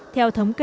theo thống kê